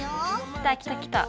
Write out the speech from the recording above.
きたきたきた！